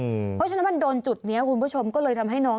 เพราะฉะนั้นมันโดนจุดนี้คุณผู้ชมก็เลยทำให้น้อง